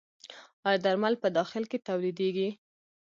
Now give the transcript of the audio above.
آیا درمل په داخل کې تولیدیږي؟